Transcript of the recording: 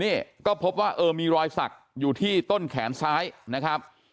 นี่ก็พบว่าเออมีรอยสักอยู่ที่ต้นแขนซ้ายนะครับ